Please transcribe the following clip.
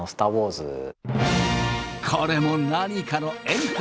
これも何かの縁か？